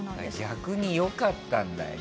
逆によかったんだよ。